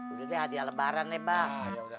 udah deh hadiah lebaran nih bah